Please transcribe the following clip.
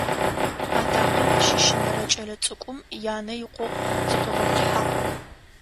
Атакъэм щыщынэрэ кӀэлэ цӀыкӀум янэ икъогъу зыкъуигъэбылъыхьагъ.